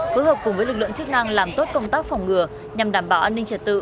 phối hợp cùng với lực lượng chức năng làm tốt công tác phòng ngừa nhằm đảm bảo an ninh trật tự